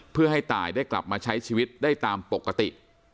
เพื่อให้ตายได้กลับมาใช้ชีวิตได้ตามปกติ